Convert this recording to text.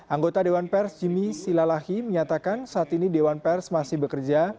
anggota dewan pers jimmy silalahi menyatakan saat ini dewan pers masih bekerja